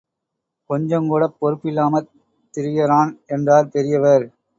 கொஞ்சம் கூடப் பொறுப்பில்லாமத் திரியறான்! என்றார் பெரியவர்.